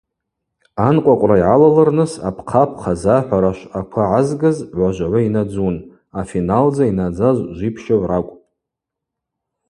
Анкъвакъвра йгӏалалырныс апхъапхъа захӏвара швъаква гӏазгыз гӏважвагӏвы йнадзун, афиналдза йнадзаз жвипщыгӏв ракӏвпӏ.